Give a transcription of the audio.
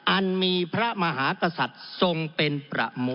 อันมีพระมหากษัตริย์ทรงเป็นประโม